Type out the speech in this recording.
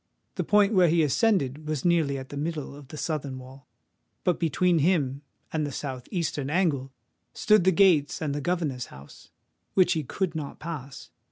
The point where he ascended was nearly at the middle of the southern wall; but between him and the south eastern angle stood the gates and the governor's house, which he could not pass.